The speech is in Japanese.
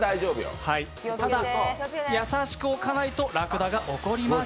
ただ優しく置かないとラクダが怒ります。